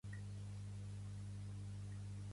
Pertany al moviment independentista el Toni?